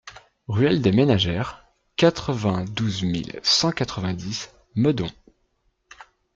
Ruelle des Ménagères, quatre-vingt-douze mille cent quatre-vingt-dix Meudon